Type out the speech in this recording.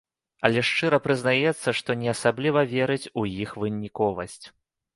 Але шчыра прызнаецца, што не асабліва верыць у іх выніковасць.